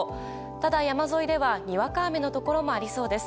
ただ山沿いではにわか雨のところもありそうです。